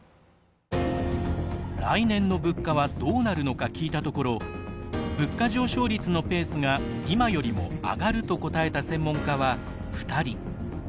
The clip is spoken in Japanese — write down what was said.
来年の物価はどうなるのか聞いたところ物価上昇率のペースが今よりも上がると答えた専門家は２人。